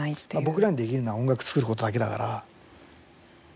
僕らにできるのは音楽を作ることだけだから。